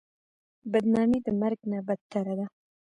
بدنامي د مرګ نه بدتره ده.